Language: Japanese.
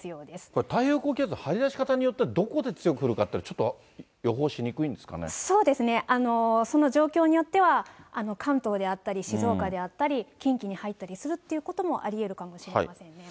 これ、太平洋高気圧、張り出し方によってはどこで強く降るかというのは、ちょっと予報そうですね、その状況によっては、関東であったり静岡であったり、近畿に入ったりするという週間の。